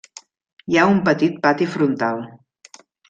Hi ha un petit pati frontal.